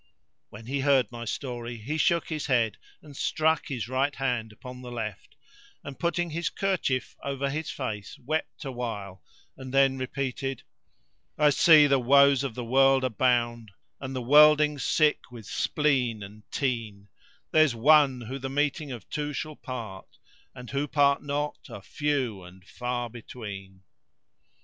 When he heard my story, he shook his head and struck his right hand upon the left,[FN#597] and putting his kerchief over his face wept awhile and then repeated:— "I see the woes of the world abound, * And worldings sick with spleen and teen; There's One who the meeting of two shall part, * And who part not are few and far between!"